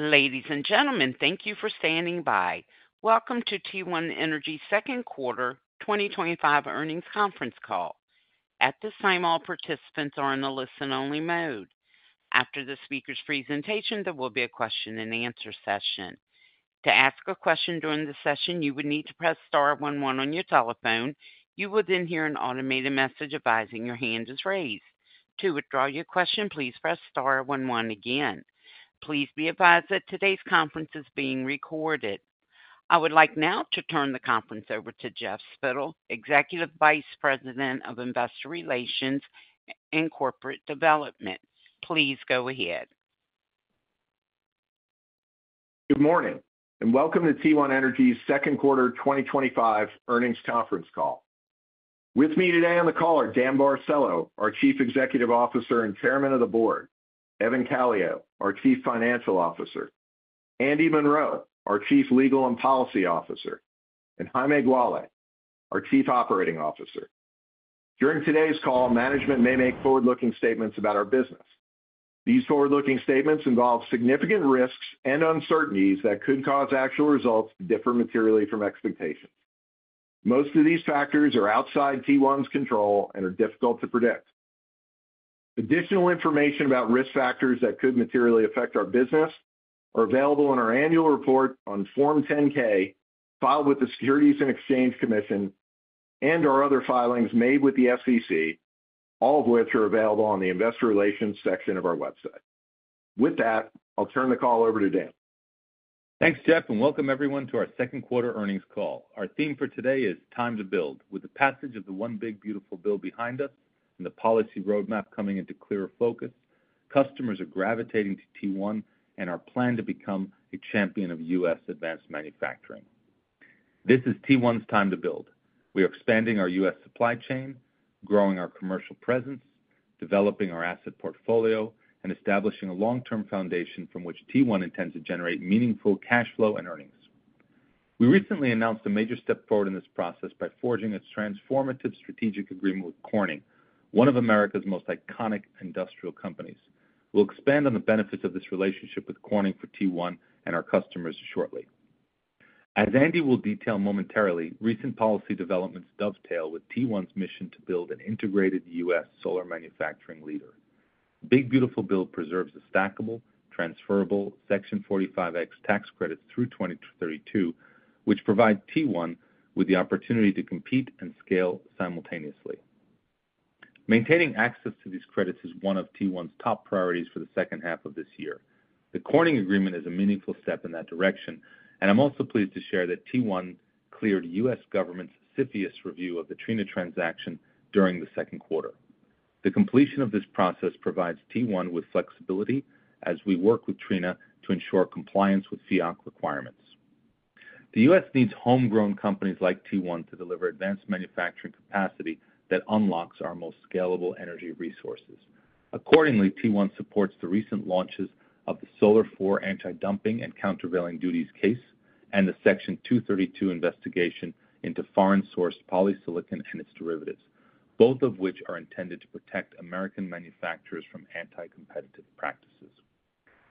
Ladies and gentlemen, thank you for standing by. Welcome to T1 Energy's second quarter 2025 earnings conference call. At this time, all participants are in a listen-only mode. After the speaker's presentation, there will be a question and answer session. To ask a question during the session, you would need to press star one, one on your telephone. You will then hear an automated message advising your hand is raised. To withdraw your question, please press star one, one again. Please be advised that today's conference is being recorded. I would like now to turn the conference over to Jeffrey Spittel, Executive Vice President of Investor Relations and Corporate Development. Please go ahead. Good morning and welcome to T1 Energy's second quarter 2025 earnings conference call. With me today on the call are Daniel Barcelo, our Chief Executive Officer and Chairman of the Board, Evan Calio, our Chief Financial Officer, Andy Munro, our Chief Legal and Policy Officer, and Jaime Gualy, our Chief Operating Officer. During today's call, management may make forward-looking statements about our business. These forward-looking statements involve significant risks and uncertainties that could cause actual results to differ materially from expectations. Most of these factors are outside T1 control and are difficult to predict. Additional information about risk factors that could materially affect our business is available in our annual report on Form 10-K filed with the Securities and Exchange Commission and our other filings made with the SEC, all of which are available on the Investor Relations section of our website. With that, I'll turn the call over to Dan. Thanks, Jeff, and welcome everyone to our second quarter earnings call. Our theme for today is "Time to Build." With the passage of the One Big Beautiful Bill behind us and the policy roadmap coming into clearer focus, customers are gravitating to T1 and our plan to become a champion of U.S. advanced manufacturing. This is T1's time to build. We are expanding our U.S. supply chain, growing our commercial presence, developing our asset portfolio, and establishing a long-term foundation from which T1 intends to generate meaningful cash flow and earnings. We recently announced a major step forward in this process by forging a transformative strategic agreement with Corning, one of America's most iconic industrial companies. We'll expand on the benefits of this relationship with Corning for T1 and our customers shortly. As Andy will detail momentarily, recent policy developments dovetail with T1's mission to build an integrated U.S. solar manufacturing leader. Big Beautiful Bill preserves the stackable, transferable Section 45x tax credits through 2032, which provide T1 with the opportunity to compete and scale simultaneously. Maintaining access to these credits is one of T1's top priorities for the second half of this year. The Corning Agreement is a meaningful step in that direction, and I'm also pleased to share that T1 cleared U.S. government's CFIUS review of the Trina transaction during the second quarter. The completion of this process provides T1 with flexibility as we work with Trina to ensure compliance with FEOC requirements. The U.S. needs homegrown companies like T1 to deliver advanced manufacturing capacity that unlocks our most scalable energy resources. Accordingly, T1 supports the recent launches of the Solar IV antidumping and countervailing duties case and the Section 232 investigation into foreign-sourced polysilicon and its derivatives, both of which are intended to protect American manufacturers from anti-competitive practices.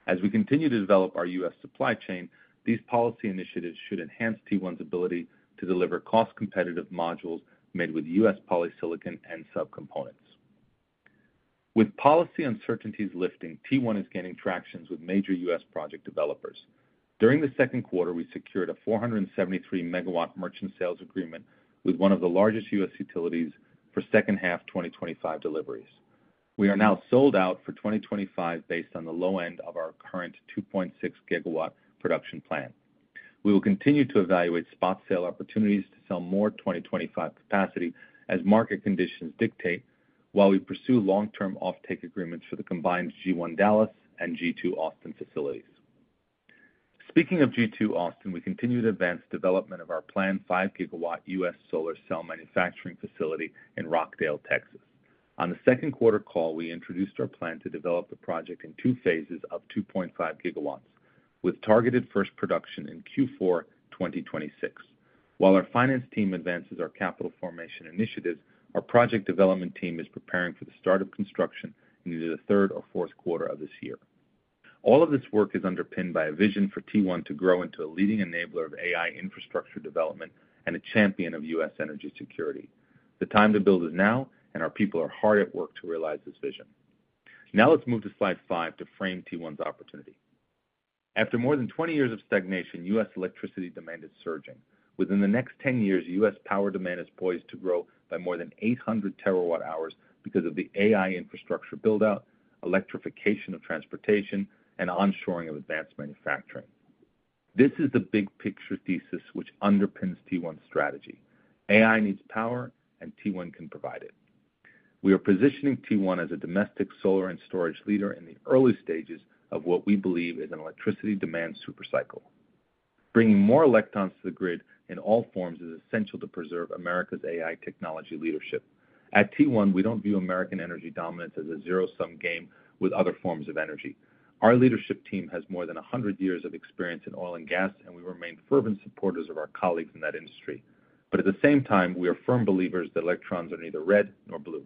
As we continue to develop our U.S. supply chain, these policy initiatives should enhance T1's ability to deliver cost-competitive modules made with U.S. polysilicon and subcomponents. With policy uncertainties lifting, T1 is gaining traction with major U.S. project developers. During the second quarter, we secured a 473 megawatt merchant sales agreement with one of the largest U.S. utilities for second-half 2025 deliveries. We are now sold out for 2025 based on the low end of our current 2.6 GW production plan. We will continue to evaluate spot sale opportunities to sell more 2025 capacity as market conditions dictate, while we pursue long-term offtake agreements for the combined G1 Dallas and G2 Austin facilities. Speaking of G2 Austin, we continue to advance development of our planned 5 GW U.S. solar cell manufacturing facility in Rockdale, Texas. On the second quarter call, we introduced our plan to develop the project in two phases of 2.5 GW, with targeted first production in Q4 2026. While our finance team advances our capital formation initiatives, our project development team is preparing for the start of construction in either the third or fourth quarter of this year. All of this work is underpinned by a vision for T1 to grow into a leading enabler of AI infrastructure development and a champion of U.S. energy security. The time to build is now, and our people are hard at work to realize this vision. Now let's move to slide five to frame T1 Energy's opportunity. After more than 20 years of stagnation, U.S. electricity demand is surging. Within the next 10 years, U.S. power demand is poised to grow by more than 800 terawatt-hours because of the AI infrastructure buildout, electrification of transportation, and onshoring of advanced manufacturing. This is the big picture thesis which underpins T1 strategy. AI needs power, and T1 can provide it. We are positioning T1 as a domestic solar and storage leader in the early stages of what we believe is an electricity demand supercycle. Bringing more electrons to the grid in all forms is essential to preserve America's AI technology leadership. At T1, we don't view American energy dominance as a zero-sum game with other forms of energy. Our leadership team has more than 100 years of experience in oil and gas, and we remain fervent supporters of our colleagues in that industry. At the same time, we are firm believers that electrons are neither red nor blue.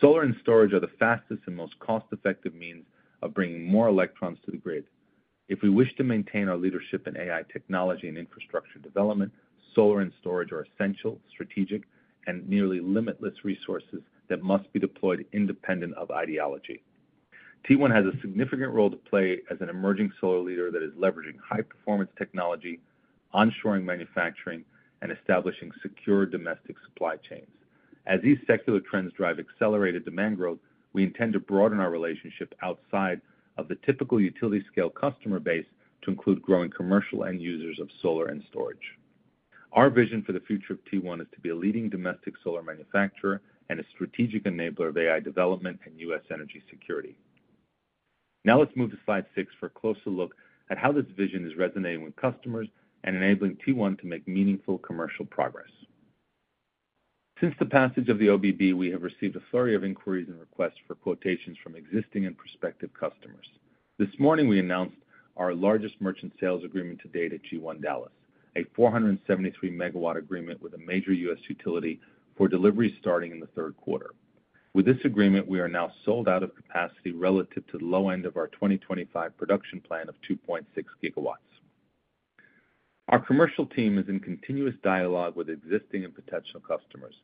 Solar and storage are the fastest and most cost-effective means of bringing more electrons to the grid. If we wish to maintain our leadership in AI technology and infrastructure development, solar and storage are essential, strategic, and nearly limitless resources that must be deployed independent of ideology. T1 has a significant role to play as an emerging solar leader that is leveraging high-performance technology, onshoring manufacturing, and establishing secure domestic supply chains. As these secular trends drive accelerated demand growth, we intend to broaden our relationship outside of the typical utility-scale customer base to include growing commercial end users of solar and storage. Our vision for the future of T1 is to be a leading domestic solar manufacturer and a strategic enabler of AI development and U.S. energy security. Now let's move to slide six for a closer look at how this vision is resonating with customers and enabling T1 to make meaningful commercial progress. Since the passage of the OBBB, we have received a flurry of inquiries and requests for quotations from existing and prospective customers. This morning, we announced our largest merchant sales agreement to date at G1 Dallas, a 473 megawatt agreement with a major U.S. utility for deliveries starting in the third quarter. With this agreement, we are now sold out of capacity relative to the low end of our 2025 production plan of 2.6 GW. Our commercial team is in continuous dialogue with existing and potential customers.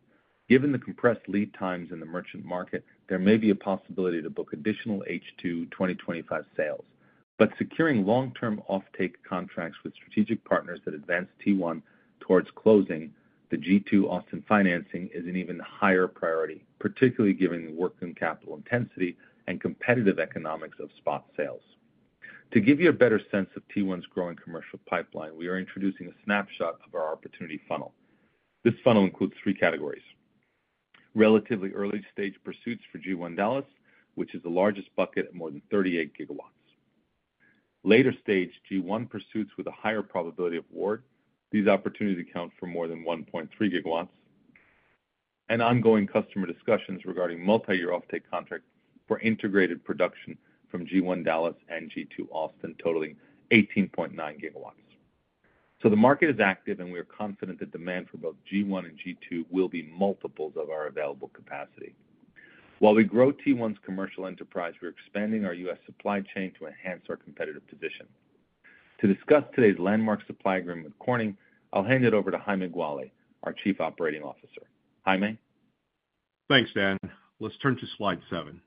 Given the compressed lead times in the merchant market, there may be a possibility to book additional H2 2025 sales. Securing long-term offtake contracts with strategic partners that advance T1 towards closing the G2 Austin financing is an even higher priority, particularly given the working capital intensity and competitive economics of spot sales. To give you a better sense of T1's growing commercial pipeline, we are introducing a snapshot of our opportunity funnel. This funnel includes three categories: relatively early-stage pursuits for G1 Dallas, which is the largest bucket at more than 38 GW, later-stage G1 pursuits with a higher probability of award, and these opportunities account for more than 1.3 GW, and ongoing customer discussions regarding multi-year offtake contracts for integrated production from G1 Dallas and G2 Austin totaling 18.9 GW. The market is active, and we are confident that demand for both G1 and G2 will be multiples of our available capacity. While we grow T1's commercial enterprise, we are expanding our U.S. supply chain to enhance our competitive position. To discuss today's landmark supply agreement with Corning Incorporated, I'll hand it over to Jaime Gualy, our Chief Operating Officer. Jaime. Thanks, Dan. Let's turn to slide seven.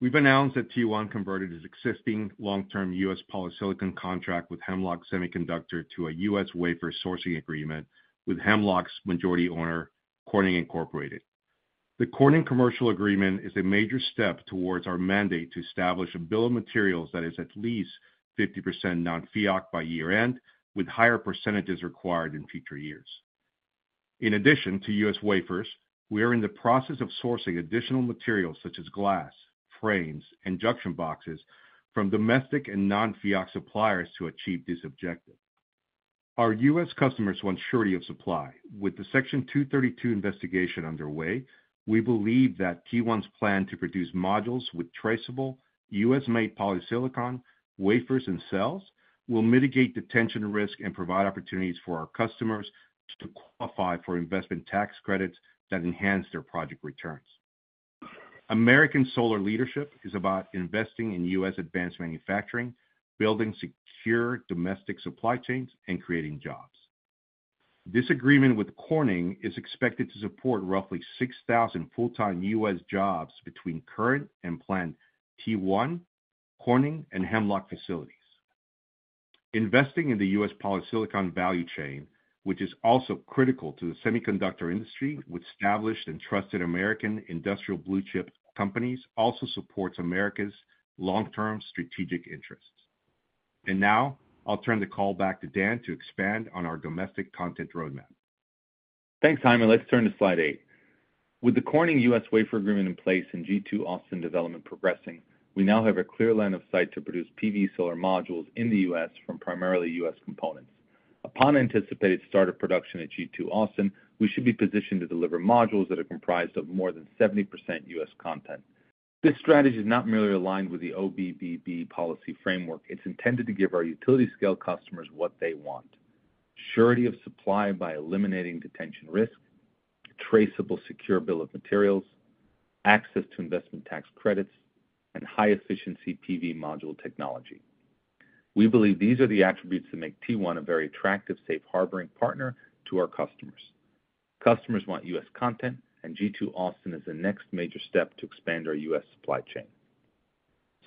We've announced that T1 converted its existing long-term U.S. polysilicon contract with Hemlock Semiconductor to a U.S. wafer sourcing agreement with Hemlock's majority owner, Corning Incorporated. The Corning commercial agreement is a major step towards our mandate to establish a bill of materials that is at least 50% non-FEOC by year-end, with higher percentages required in future years. In addition to U.S. wafers, we are in the process of sourcing additional materials such as glass, frames, and junction boxes from domestic and non-FEOC suppliers to achieve this objective. Our U.S. customers want surety of supply. With the Section 232 investigation underway, we believe that T1 plan to produce modules with traceable, U.S.-made polysilicon, wafers, and cells will mitigate detention risk and provide opportunities for our customers to qualify for investment tax credits that enhance their project returns. American solar leadership is about investing in U.S. advanced manufacturing, building secure domestic supply chains, and creating jobs. This agreement with Corning is expected to support roughly 6,000 full-time U.S. jobs between current and planned T1, Corning, and Hemlock facilities. Investing in the U.S. polysilicon value chain, which is also critical to the semiconductor industry with established and trusted American industrial blue-chip companies, also supports America's long-term strategic interests. I'll turn the call back to Dan to expand on our domestic content roadmap. Thanks, Jaime. Let's turn to slide eight. With the Corning U.S. wafer agreement in place and G2 Austin development progressing, we now have a clear line of sight to produce PV solar modules in the U.S. from primarily U.S. components. Upon anticipated start of production at G2 Austin, we should be positioned to deliver modules that are comprised of more than 70% U.S. content. This strategy is not merely aligned with the OBBB policy framework, it's intended to give our utility-scale customers what they want: surety of supply by eliminating detention risk, a traceable secure bill of materials, access to investment tax credits, and high-efficiency PV module technology. We believe these are the attributes that make T1 a very attractive, safe harboring partner to our customers. Customers want U.S. content, and G2 Austin is the next major step to expand our U.S. supply chain.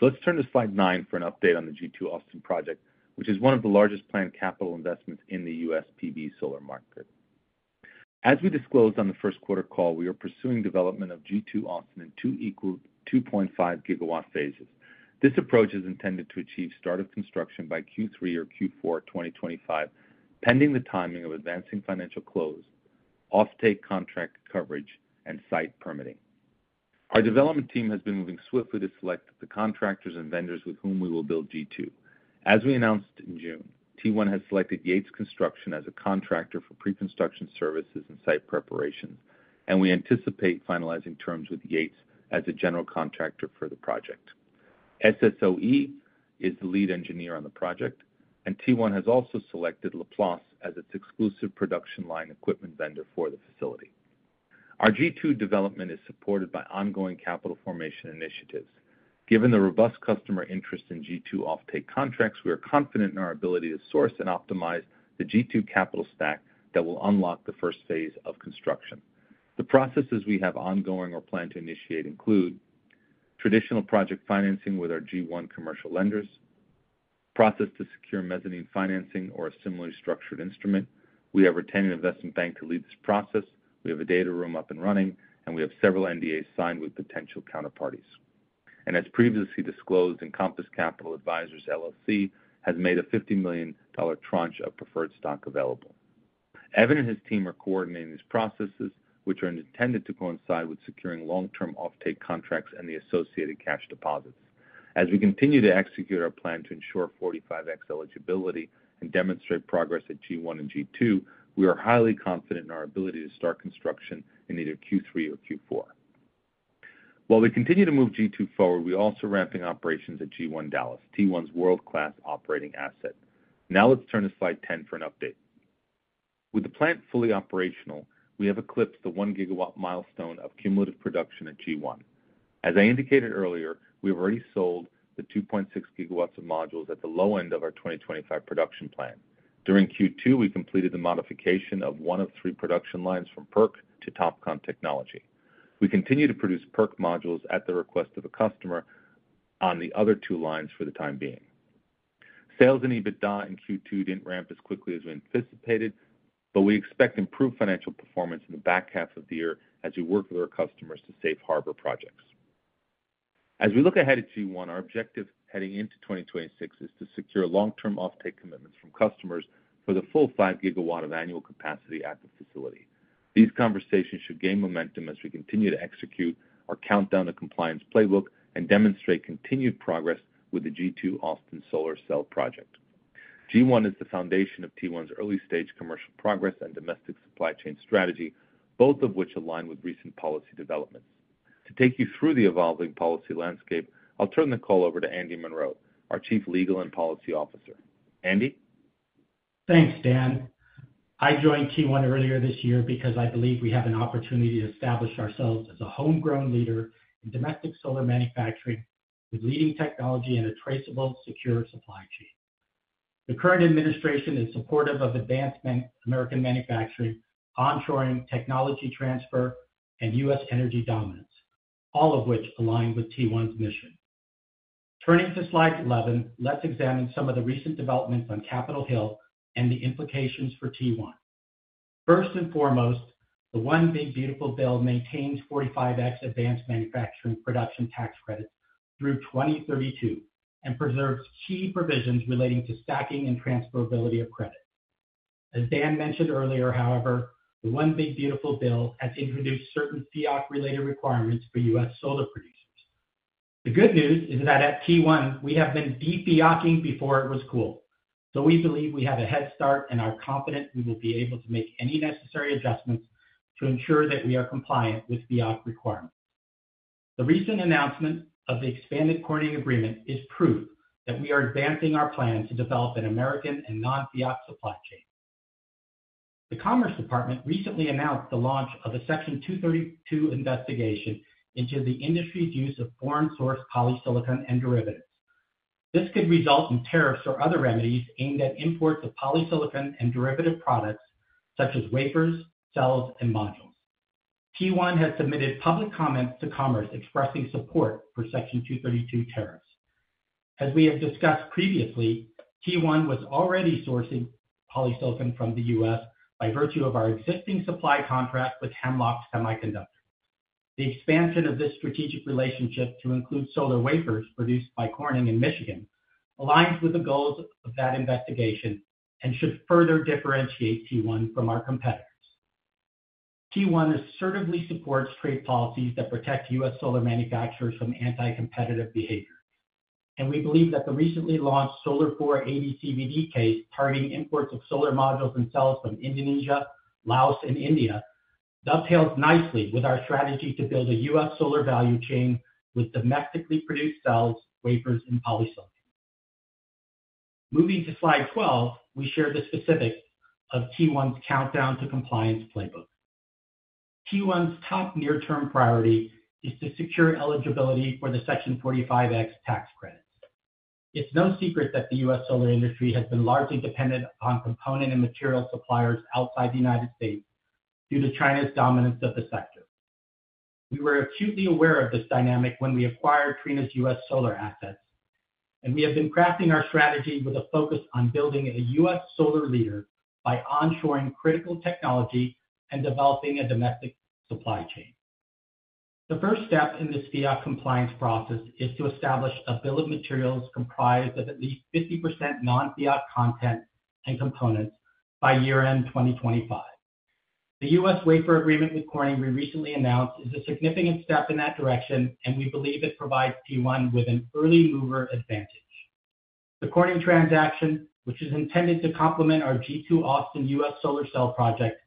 Let's turn to slide nine for an update on the G2 Austin project, which is one of the largest planned capital investments in the U.S. PV solar market. As we disclosed on the first quarter call, we are pursuing development of G2 Austin in two equal 2.5 GW phases. This approach is intended to achieve start of construction by Q3 or Q4 2025, pending the timing of advancing financial close, offtake contract coverage, and site permitting. Our development team has been moving swiftly to select the contractors and vendors with whom we will build G2. As we announced in June, T1 has selected Yates Construction as a contractor for pre-construction services and site preparation, and we anticipate finalizing terms with Yates as a general contractor for the project. SSOE is the lead engineer on the project, and T1 has also selected Laplace as its exclusive production line equipment vendor for the facility. Our G2 development is supported by ongoing capital formation initiatives. Given the robust customer interest in G2 offtake contracts, we are confident in our ability to source and optimize the G2 capital stack that will unlock the first phase of construction. The processes we have ongoing or plan to initiate include traditional project financing with our G1 commercial lenders, a process to secure mezzanine financing or a similarly structured instrument. We have a retention investment bank to lead this process. We have a data room up and running, and we have several NDAs signed with potential counterparties. As previously disclosed, Encompass Capital Advisors LLC has made a $50 million tranche of preferred stock available. Evan and his team are coordinating these processes, which are intended to coincide with securing long-term offtake contracts and the associated cash deposits. As we continue to execute our plan to ensure 45x eligibility and demonstrate progress at G1 and G2, we are highly confident in our ability to start construction in either Q3 or Q4. We continue to move G2 forward and are also ramping operations at G1 Dallas, T1 world-class operating asset. Now let's turn to slide 10 for an update. With the plant fully operational, we have eclipsed the 1 GW milestone of cumulative production at G1. As I indicated earlier, we have already sold the 2.6 GW of modules at the low end of our 2025 production plan. During Q2, we completed the modification of one of three production lines from PERC to TOPCon module technology. We continue to produce PERC modules at the request of a customer on the other two lines for the time being. Sales and EBITDA in Q2 didn't ramp as quickly as we anticipated, but we expect improved financial performance in the back half of the year as we work with our customers to safe harbor projects. As we look ahead at G1, our objective heading into 2026 is to secure long-term offtake commitments from customers for the full 5 GW of annual capacity at the facility. These conversations should gain momentum as we continue to execute our countdown to compliance playbook and demonstrate continued progress with the G2 Austin solar cell project. G1 is the foundation of T1 early-stage commercial progress and domestic supply chain strategy, both of which align with recent policy development. To take you through the evolving policy landscape, I'll turn the call over to Andy Munro, our Chief Legal and Policy Officer. Andy. Thanks, Dan. I joined T1 earlier this year because I believe we have an opportunity to establish ourselves as a homegrown leader in domestic solar manufacturing with leading technology and a traceable, secure supply chain. The current administration is supportive of advanced American manufacturing, onshoring, technology transfer, and U.S. energy dominance, all of which align with T1's mission. Turning to slide 11, let's examine some of the recent developments on Capitol Hill and the implications for T1. First and foremost, the One Big Beautiful Bill maintains 45x advanced manufacturing production tax credits through 2032 and preserves key provisions relating to stacking and transferability of credit. As Dan mentioned earlier, however, the One Big Beautiful Build has introduced certain FEOC-related requirements for U.S. solar producers. The good news is that at T1, we have been de-FEOC-ing before it was cool. We believe we have a head start and are confident we will be able to make any necessary adjustments to ensure that we are compliant with FEOC requirements. The recent announcement of the expanded Corning Agreement is proof that we are advancing our plan to develop an American and non-FEOC supply chain. The Commerce Department recently announced the launch of a Section 232 investigation into the industry's use of foreign-sourced polysilicon and derivatives. This could result in tariffs or other remedies aimed at imports of polysilicon and derivative products such as wafers, cells, and modules. T1 has submitted public comments to Commerce expressing support for Section 232 tariffs. As we have discussed previously, T1 was already sourcing polysilicon from the U.S. by virtue of our existing supply contract with Hemlock Semiconductor. The expansion of this strategic relationship to include solar wafers produced by Corning in Michigan aligns with the goals of that investigation and should further differentiate T1 from our competitors. T1 assertively supports trade policies that protect U.S. solar manufacturers from anti-competitive behavior. We believe that the recently launched Solar IV AD/CVD case, targeting imports of solar modules and cells from Indonesia, Laos, and India, dovetails nicely with our strategy to build a U.S. solar value chain with domestically produced cells, wafers, and polysilicon. Moving to slide 12, we share the specifics of T1's countdown to compliance playbook. T1 top near-term priority is to secure eligibility for the Section 45x tax credit. It's no secret that the U.S. solar industry has been largely dependent on component and material suppliers outside the U.S. due to China's dominance of the sector. We were acutely aware of this dynamic when we acquired Trina Solar's U.S. solar assets, and we have been crafting our strategy with a focus on building a U.S. solar leader by onshoring critical technology and developing a domestic supply chain. The first step in this FEOC compliance process is to establish a bill of materials comprised of at least 50% non-FEOC content and components by year-end 2025. The U.S. wafer agreement with Corning, we recently announced is a significant step in that direction, and we believe it provides T1 with an early mover advantage. The Corning transaction, which is intended to complement our G2 Austin U.S. solar cell project,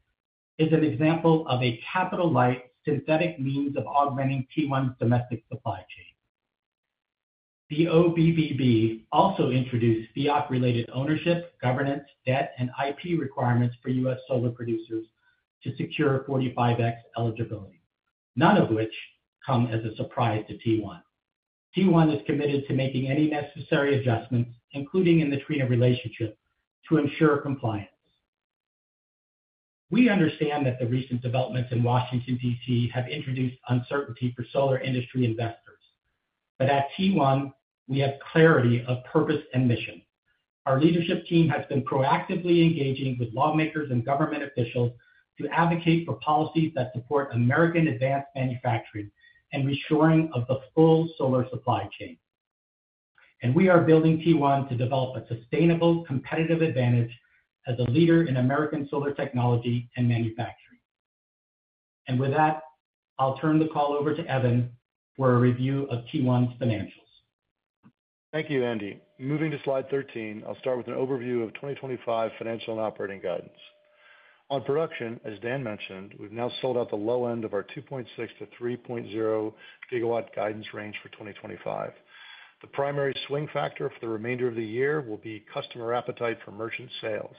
is an example of a capital-light synthetic means of augmenting T1 domestic supply chain. The OBBB also introduced FEOC-related ownership, governance, debt, and IP requirements for U.S. solar producers to secure 45x eligibility, none of which come as a surprise to T1. T1 is committed to making any necessary adjustments, including in the Trina relationship, to ensure compliance. We understand that the recent developments in Washington, D.C., have introduced uncertainty for solar industry investors. At T1, we have clarity of purpose and mission. Our leadership team has been proactively engaging with lawmakers and government officials to advocate for policies that support American advanced manufacturing and reassuring of the full solar supply chain. We are building T1 to develop a sustainable, competitive advantage as a leader in American solar technology and manufacturing. With that, I'll turn the call over to Evan for a review of T1 financials. Thank you, Andy. Moving to slide 13, I'll start with an overview of 2025 financial and operating guidance. On production, as Dan mentioned, we've now sold out the low end of our 2.6 to 3.0-GW guidance range for 2025. The primary swing factor for the remainder of the year will be customer appetite for merchant sales.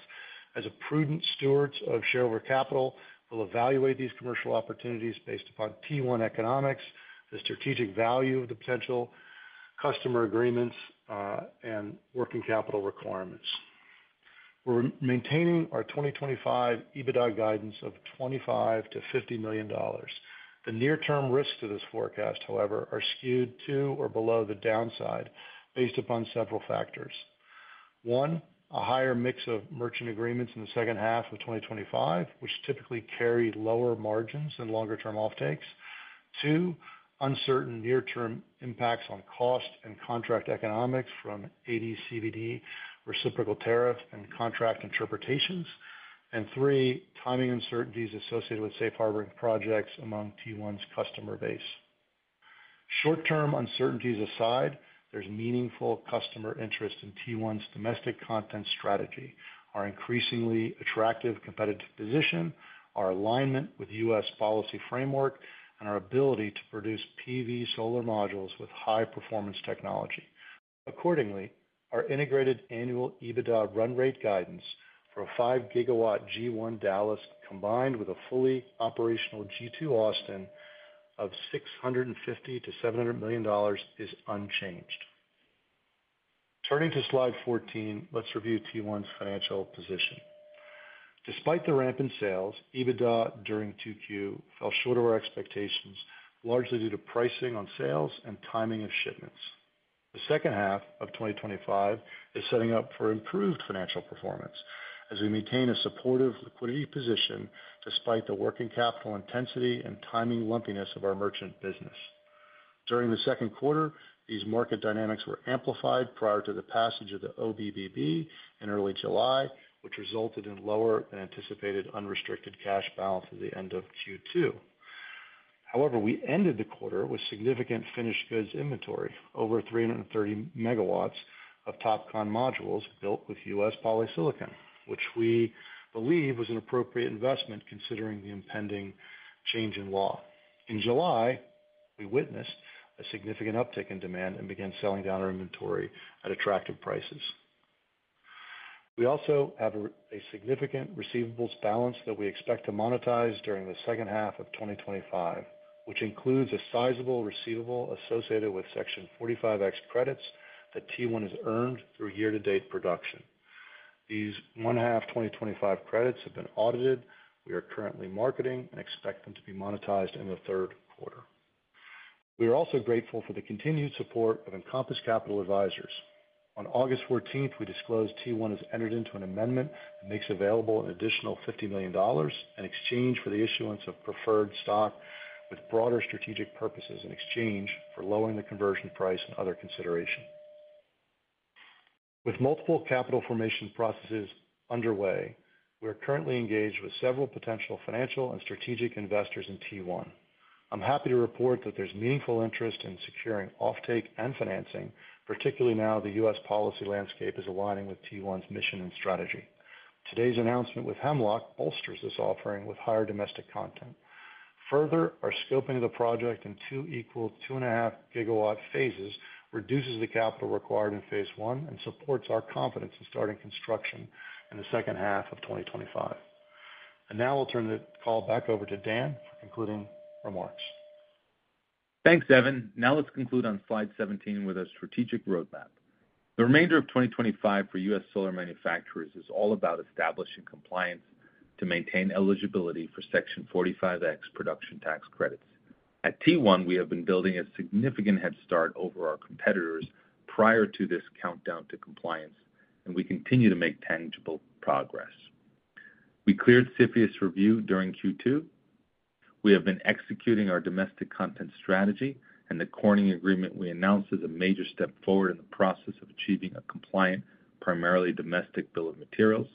As a prudent steward of shareholder capital, we'll evaluate these commercial opportunities based upon T1 economics, the strategic value of the potential customer agreements, and working capital requirements. We're maintaining our 2025 EBITDA guidance of $25 million-$50 million. The near-term risks to this forecast, however, are skewed to or below the downside based upon several factors. One, a higher mix of merchant agreements in the second half of 2025, which typically carries lower margins and longer-term offtakes. Two, uncertain near-term impacts on cost and contract economics from AD/CVD, reciprocal tariffs, and contract interpretations. Three, timing uncertainties associated with safe harboring projects among T1's customer base. Short-term uncertainties aside, there's meaningful customer interest in T1's domestic content strategy, our increasingly attractive competitive position, our alignment with U.S. policy framework, and our ability to produce PV solar modules with high-performance technology. Accordingly, our integrated annual EBITDA run-rate guidance for a 5-GW G1 Dallas combined with a fully operational G2 Austin of $650 million-$700 million is unchanged. Turning to slide 14, let's review T1's financial position. Despite the ramp in sales, EBITDA during Q2 fell short of our expectations, largely due to pricing on sales and timing of shipments. The second half of 2025 is setting up for improved financial performance as we maintain a supportive liquidity position despite the working capital intensity and timing lumpiness of our merchant business. During the second quarter, these market dynamics were amplified prior to the passage of the OBBB in early July, which resulted in lower than anticipated unrestricted cash balance at the end of Q2. However, we ended the quarter with significant finished goods inventory, over 330 megawatts of TOPCon modules built with U.S. polysilicon, which we believe was an appropriate investment considering the impending change in law. In July, we witnessed a significant uptick in demand and began selling down our inventory at attractive prices. We also have a significant receivables balance that we expect to monetize during the second half of 2025, which includes a sizable receivable associated with Section 45x credits that T1 has earned through year-to-date production. These one-half 2025 credits have been audited. We are currently marketing and expect them to be monetized in the third quarter. We are also grateful for the continued support of Encompass Capital Advisors. On August 14, we disclosed T1 has entered into an amendment that makes available an additional $50 million in exchange for the issuance of preferred stock with broader strategic purposes in exchange for lowering the conversion price and other considerations. With multiple capital formation processes underway, we are currently engaged with several potential financial and strategic investors in T1. I'm happy to report that there's meaningful interest in securing offtake and financing, particularly now the U.S. policy landscape is aligning with T1 mission and strategy. Today's announcement with Hemlock bolsters this offering with higher domestic content. Further, our scoping of the project in two equal 2.5 GW phases reduces the capital required in phase one and supports our confidence in starting construction in the second half of 2025.We'll turn the call back over to Dan for concluding remarks. Thanks, Evan. Now let's conclude on slide 17 with our strategic roadmap. The remainder of 2025 for U.S. solar manufacturers is all about establishing compliance to maintain eligibility for Section 45x production tax credits. At T1, we have been building a significant head start over our competitors prior to this countdown to compliance, and we continue to make tangible progress. We cleared CFIUS review during Q2. We have been executing our domestic content strategy, and the Corning Agreement we announced is a major step forward in the process of achieving a compliant, primarily domestic bill of materials.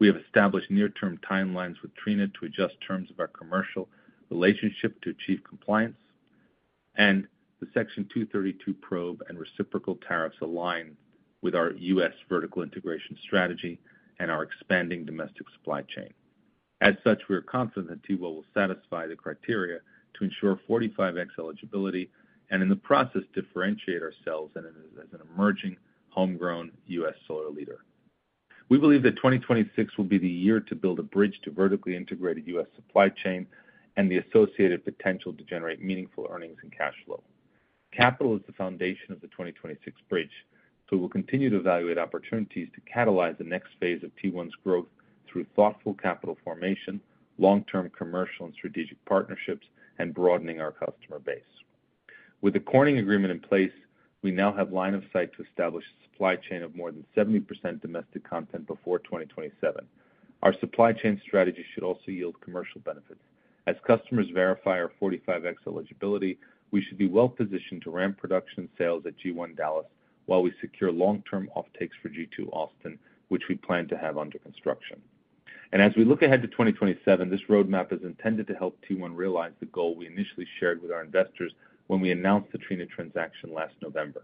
We have established near-term timelines with Trina Solar to adjust terms of our commercial relationship to achieve compliance, and the Section 232 probe and reciprocal tariffs align with our U.S. vertical integration strategy and our expanding domestic supply chain. As such, we are confident that Trina will satisfy the criteria to ensure 45x eligibility and in the process differentiate ourselves as an emerging homegrown U.S. solar leader. We believe that 2026 will be the year to build a bridge to vertically integrated U.S. supply chain and the associated potential to generate meaningful earnings and cash flow. Capital is the foundation of the 2026 bridge, so we will continue to evaluate opportunities to catalyze the next phase of T1 growth through thoughtful capital formation, long-term commercial and strategic partnerships, and broadening our customer base. With the Corning Agreement in place, we now have line of sight to establish a supply chain of more than 70% domestic content before 2027. Our supply chain strategy should also yield commercial benefits. As customers verify our 45x eligibility, we should be well-positioned to ramp production sales at G1 Dallas while we secure long-term offtakes for G2 Austin, which we plan to have under construction. As we look ahead to 2027, this roadmap is intended to help T1 realize the goal we initially shared with our investors when we announced the Trina Solar transaction last November: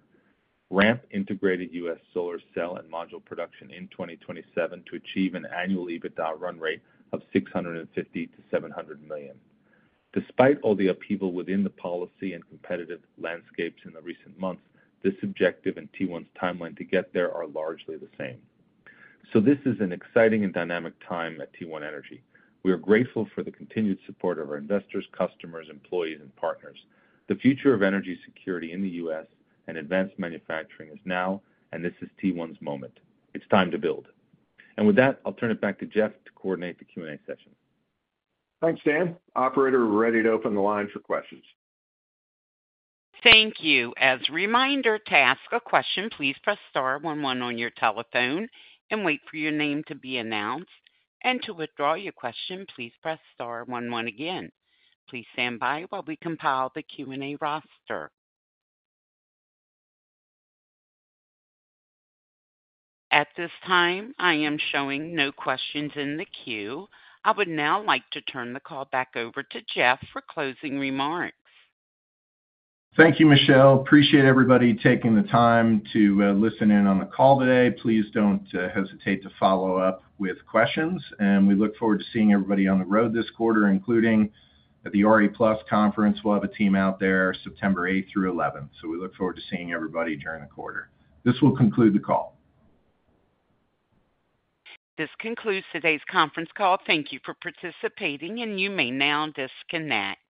ramp integrated U.S. solar cell and module production in 2027 to achieve an annual EBITDA run rate of $650 million-$700 million. Despite all the upheaval within the policy and competitive landscapes in the recent months, this objective and T1 time line to get there are largely the same. This is an exciting and dynamic time at T1 Energy. We are grateful for the continued support of our investors, customers, employees, and partners. The future of energy security in the U.S. and advanced manufacturing is now, and this is T1 moment. It's time to build. With that, I'll turn it back to Jeff to coordinate the Q&A session. Thanks, Dan. Operator, we're ready to open the line for questions. Thank you. As a reminder, to ask a question, please press star one one on your telephone and wait for your name to be announced. To withdraw your question, please press star one one again. Please stand by while we compile the Q&A roster. At this time, I am showing no questions in the queue. I would now like to turn the call back over to Jeff for closing remarks. Thank you, Michel. Appreciate everybody taking the time to listen in on the call today. Please don't hesitate to follow up with questions, and we look forward to seeing everybody on the road this quarter, including at the RE+ Conference. We'll have a team out there September 8 through 11. We look forward to seeing everybody during the quarter. This will conclude the call. This concludes today's conference call. Thank you for participating, and you may now disconnect.